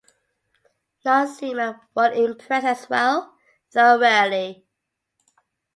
Non-seamen were impressed as well, though rarely.